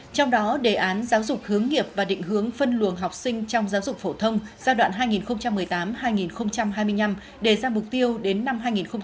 trong đó đề án giáo dục hướng nghiệp và định hướng phân luồng học sinh trong giáo dục phổ thông giai đoạn hai nghìn một mươi tám hai nghìn hai mươi năm đề ra mục tiêu đến năm hai nghìn hai mươi